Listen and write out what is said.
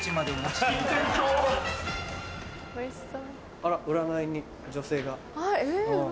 あら占いに女性が。